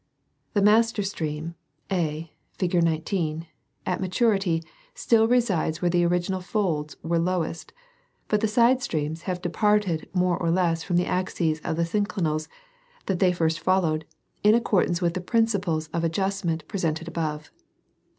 The master stream. A, fig. 19, at maturity still resides whei*e the original folds were lowest, but the side streams have departed more less from the axes of the synclinals that they first followed, in accordance with the principles of adjustment presented above.